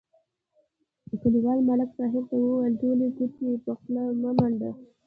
کلیوال ملک صاحب ته ویل: ټولې ګوتې په خوله مه منډه.